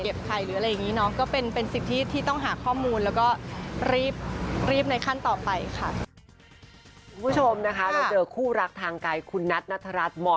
เก็บไข่หรืออะไรอย่างเงี้ยเนาะ